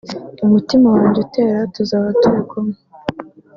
umutima wanjye utera tuzaba turi kumwe